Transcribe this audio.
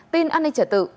tin an ninh trở tự